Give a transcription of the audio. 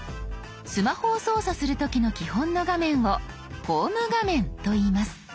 スマホを操作する時の基本の画面をホーム画面といいます。